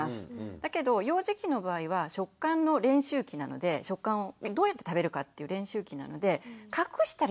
だけど幼児期の場合は食感の練習期なのでどうやって食べるかっていう練習期なので隠したりしたらダメなんですよ。